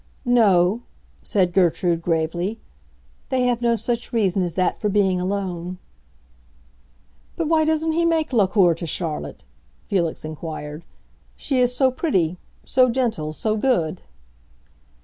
"No," said Gertrude, gravely, "they have no such reason as that for being alone." "But why doesn't he make la cour to Charlotte?" Felix inquired. "She is so pretty, so gentle, so good."